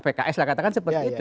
pks lah katakan seperti itu